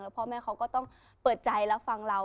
พ่อแม่เขาก็ต้องเปิดใจรับฟังเรา